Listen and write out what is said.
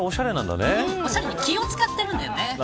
おしゃれに気を使ってるんでね。